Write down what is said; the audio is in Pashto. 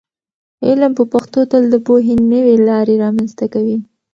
علم په پښتو تل د پوهې نوې لارې رامنځته کوي.